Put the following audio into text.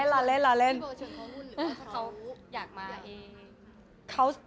รอเล่น